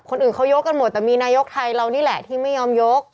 คนอื่นเขายกกันหมดแต่มีนายกไทยเรานี่แหละที่ไม่ยอมยก